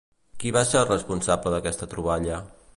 Qui va ser el responsable d'aquesta troballa?